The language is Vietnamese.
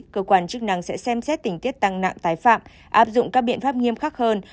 cơ quan chức năng sẽ xem xét tình tiết tăng nặng tái phạm áp dụng các biện pháp nghiêm khắc hơn